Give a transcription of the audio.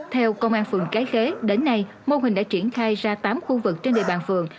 theo công an phường cái khế đến nay mô hình đã triển khai ra tám khu vực trên địa bàn phường